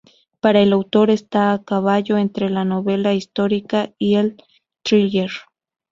Para el autor está a caballo entre la novela histórica y el thriller.